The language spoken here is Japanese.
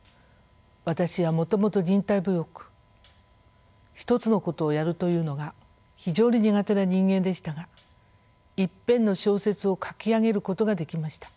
私はもともと忍耐強く一つのことをやるというのが非常に苦手な人間でしたが一編の小説を書き上げることができました。